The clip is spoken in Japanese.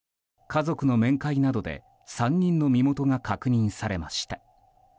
家族の面会などで３人の身元が確認されました。